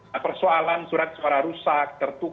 nah persoalan surat suara rusak